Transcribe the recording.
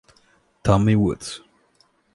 Tommy Woods